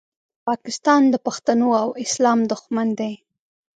پاکستان د پښتنو او اسلام دوښمن دی